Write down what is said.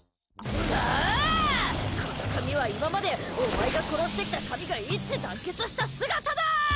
この髪は今までお前が殺してきた髪が一致団結した姿だ！